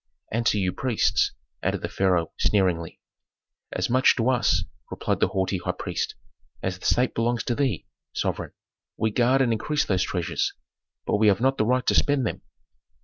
"And to you priests," added the pharaoh, sneeringly. "As much to us," replied the haughty high priest, "as the state belongs to thee, sovereign. We guard and increase those treasures; but we have not the right to spend them."